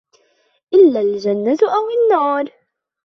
إلَّا الْجَنَّةُ أَوْ النَّارُ